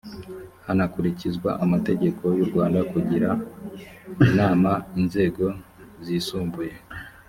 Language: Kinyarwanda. hanakurikizwa amategeko y u rwanda kugira inama inzego zisumbuye